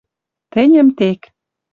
тӹньӹм тек.